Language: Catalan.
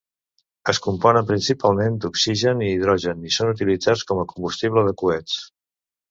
Es componen principalment d'oxigen i hidrogen i són utilitzats com a combustible de coets.